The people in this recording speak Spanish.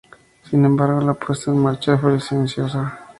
Sin embargo, la puesta en marcha fue silenciosa.